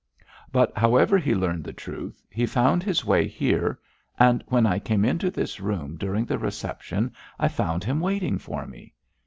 But, however he learned the truth, he found his way here, and when I came into this room during the reception I found him waiting for me.'